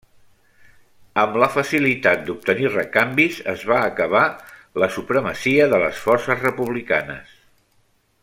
Amb la facilitat d'obtenir recanvis, es va acabar la supremacia de les forces republicanes.